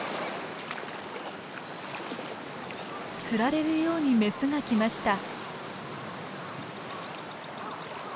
つられるようにメスが来ました。